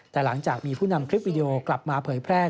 แต่หลังจากมีผู้นำคลิปวิดีโอกลับมาเผยแพร่